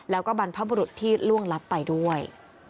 แล้วก็บรรพบุรุษที่ล่วงลับไปด้วย